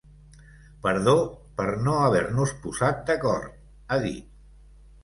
Perdó per no haver-nos posat d’acord, ha dit.